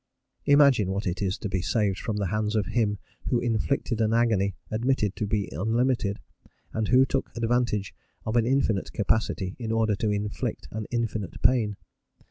Imagine what it is to be saved from the hands of him who inflicted an agony admitted to be unlimited, and who took advantage of an infinite capacity in order to inflict an infinite pain.